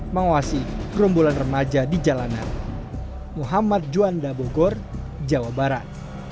menguasai kerumbulan remaja di jalanan muhammad juwanda bogor jawa barat